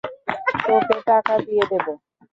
তোকে টাকা দিয়ে দেব।